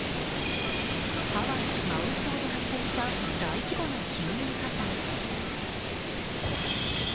ハワイ・マウイ島で発生した大規模な森林火災。